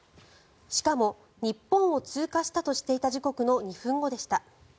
しかも、日本を通過したとしていた時刻の２分後でした。